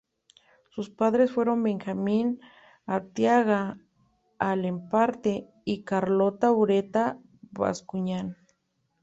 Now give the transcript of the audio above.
Sus padres fueron Benjamín Arteaga Alemparte y Carlota Ureta Bascuñán.